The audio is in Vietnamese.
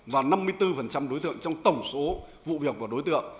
và năm mươi bốn đối tượng trong tổng số vụ việc của đối tượng